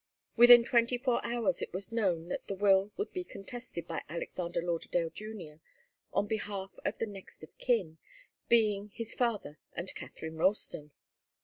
Within twenty four hours it was known that the will would be contested by Alexander Lauderdale Junior on behalf of the next of kin, being his father and Katharine Ralston.